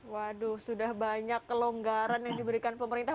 waduh sudah banyak kelonggaran yang diberikan pemerintah